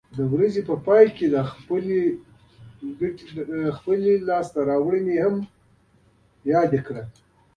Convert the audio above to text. د ورځې په پای کې خپل بریاوې یاداښت کړه.